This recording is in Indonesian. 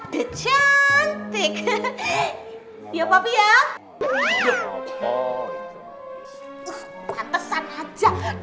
decantik ya popi ya